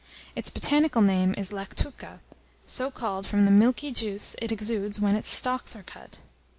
Its botanical name is Lactuca, so called from the milky juice it exudes when its stalks are cut.